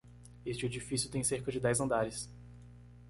Este edifício tem cerca de dez andares.